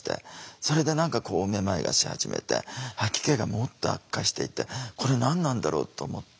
それで何かこうめまいがし始めて吐き気がもっと悪化していって「これ何なんだろう」と思って。